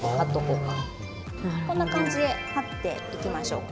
こんな感じで貼っていきましょうか。